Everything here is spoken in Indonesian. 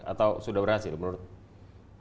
atau sudah berhasil menurut anda